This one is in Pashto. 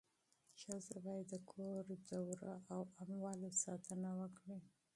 ښځه باید د کور د دروازې او اموالو ساتنه وکړي.